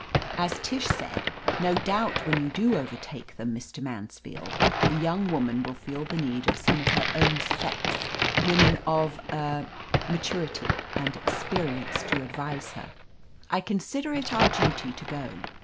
As Tish said : "No doubt when you do overtake them, Mr. Mansfield, the young woman will feel the need of some of her own sex, women of— er — ^ma turity and experience, to advise her. I con sider it our duty to go."